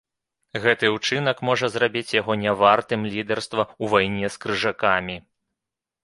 Гэты ўчынак можа зрабіць яго нявартым лідарства ў вайне з крыжакамі.